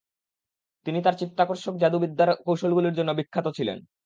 তিনি তার চিত্তাকর্ষক জাদুবিদ্যার কৌশলগুলির জন্য বিখ্যাত ছিলেন।